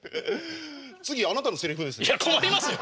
次あなたのセリフですよ。